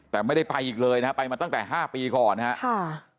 แต่ไม่ได้ไปอีกเลยนะฮะไปมาตั้งแต่๕ปีก่อนนะครับ